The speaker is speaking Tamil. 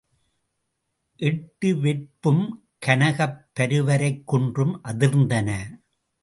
எட்டுவெற் பும்கனகப் பருவரைக் குன்றும் அதிர்ந்தன.